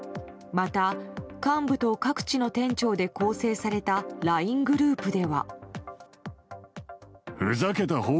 また、幹部と各地の店長で構成されたＬＩＮＥグループでは。